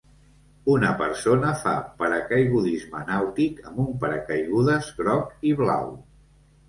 Una persona fa paracaigudisme nàutic amb un paracaigudes groc i blau.